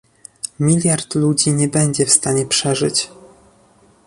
miliard ludzi nie będzie w stanie przeżyć